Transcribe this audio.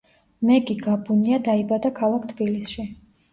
მეგი გაბუნია დაიბადა ქალაქ თბილისში.